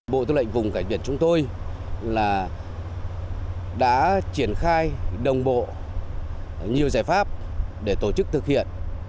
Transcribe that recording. bộ tư lệnh vùng cảnh biển chúng tôi đã triển khai đồng bộ nhiều giải pháp để tổ chức thực hiện